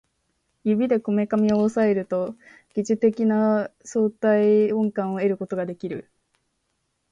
指でこめかみを抑えると疑似的な相対音感を得ることができる